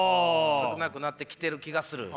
少なくなってきてる気がする？